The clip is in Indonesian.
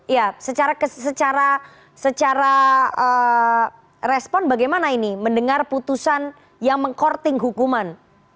ya secara respon bagaimana ini mendengar putusan yang meng courting hukuman